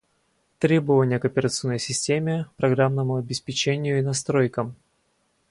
Требования к операционной системе, программному обеспечению и настройкам